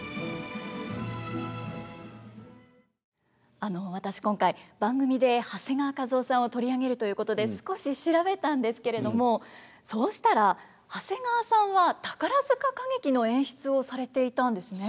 あの私今回番組で長谷川一夫さんを取り上げるということで少し調べたんですけれどもそうしたら長谷川さんは宝塚歌劇の演出をされていたんですね。